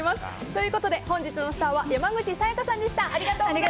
ということで本日のスターは山口紗弥加さんでした。